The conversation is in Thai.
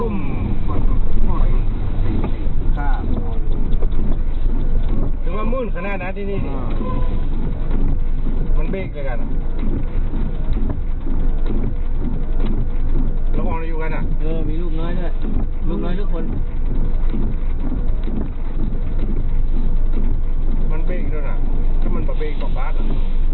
มันไปอีกแล้วนะถ้ามันไปไปอีกกว่าบ้าน